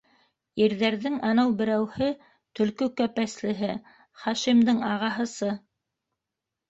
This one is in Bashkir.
Ирҙәрҙең анау берәүһе, төлкө кәпәслеһе, Хашимдың ағаһысы...